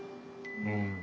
うん。